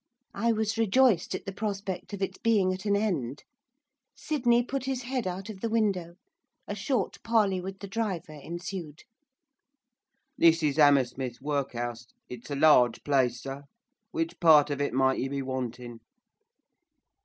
I was rejoiced at the prospect of its being at an end. Sydney put his head out of the window. A short parley with the driver ensued. 'This is 'Ammersmith Workhouse, it's a large place, sir, which part of it might you be wanting?